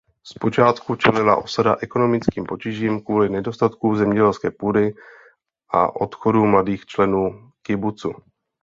Zpočátku čelila osada ekonomickým potížím kvůli nedostatku zemědělské půdy a odchodu mladých členů kibucu.